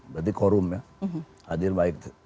berarti korum ya hadir baik sepuluh